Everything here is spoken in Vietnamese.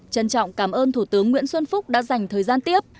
trân trọng cảm ơn thủ tướng nguyễn xuân phúc đã dành thời gian tiếp